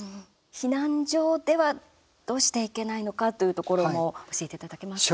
避難所では、どうしていけないのかというところも教えていただけますか？